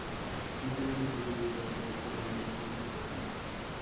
নিসার আলি খুবই বিব্রত বোধ করলেন, কিন্তু কিছুই করার নেই।